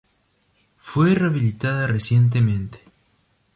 Fue rehabilitada recientemente.